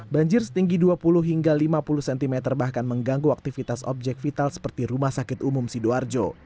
banjir setinggi dua puluh hingga lima puluh cm bahkan mengganggu aktivitas objek vital seperti rumah sakit umum sidoarjo